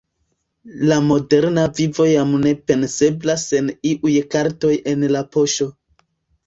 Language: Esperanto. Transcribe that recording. La moderna vivo jam ne penseblas sen iuj kartoj en la poŝo.